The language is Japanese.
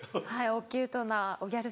おキュートなおギャル？